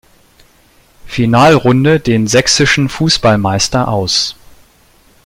Finalrunde den sächsischen Fußballmeister aus.